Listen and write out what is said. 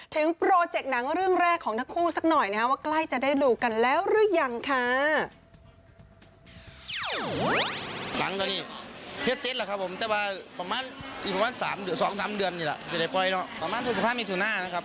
โปรเจกต์หนังเรื่องแรกของทั้งคู่สักหน่อยนะครับว่าใกล้จะได้ดูกันแล้วหรือยังค่ะ